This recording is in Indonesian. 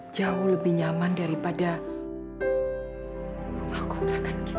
jauh lebih nyaman daripada rumah kontrakan kita